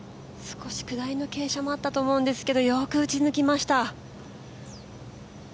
少し下りの傾斜もあったと思うんですけど、よく打ち抜きました。